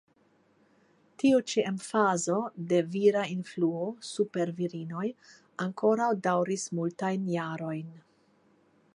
Tiu ĉi emfazo de vira influo super virinoj ankoraŭ daŭris multajn jarojn.